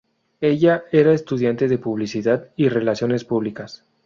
Ella era estudiante de Publicidad y relaciones públicas.